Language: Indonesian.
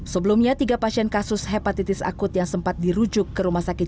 sebelumnya tiga pasien kasus hepatitis akut yang sempat dirujuk ke rumah sakit